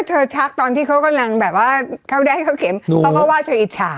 ทักตอนที่เขากำลังแบบว่าเข้าแดงเข้าเข็มเขาก็ว่าเธออิจฉา